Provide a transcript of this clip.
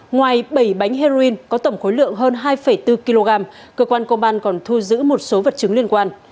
ngoài bảy bánh heroin có tổng khối lượng hơn hai bốn kg cơ quan công an còn thu giữ một số vật chứng liên quan